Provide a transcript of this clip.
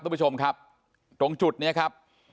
คุณผู้ชมครับตรงจุดนี้ครับ